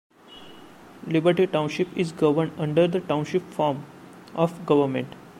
Liberty Township is governed under the Township form of government.